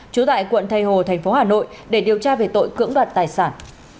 trú tại quận thầy hồ thành phố hà nội để điều tra về tội cưỡng đoạt tài sản